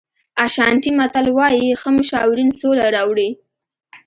اشانټي متل وایي ښه مشاورین سوله راوړي.